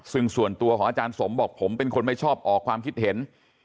ซึ่งส่วนตัวของอาจารย์สมบอกผมเป็นคนไม่ชอบออกความคิดเห็น